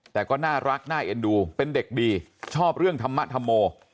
แต่ก็น่ารักน่าเอ็นดูเป็นเด็กดีชอบเรื่องธรรมธรรโม